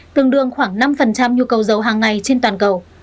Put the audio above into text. tương đương khoảng năm nhu cầu dầu hàng ngày trên toàn cầu